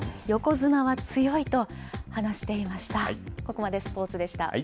横綱は強いと話していました。